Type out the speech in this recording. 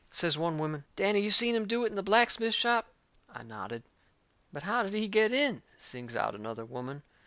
Says one woman: "Danny, you seen him do it in the blacksmith shop?" I nodded. "But how did he get in?" sings out another woman.